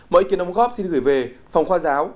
mọi ý kiến đóng góp xin gửi về phòng khoa giáo